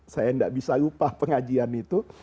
saya tidak bisa lupa pengajian itu